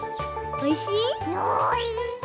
おいしい！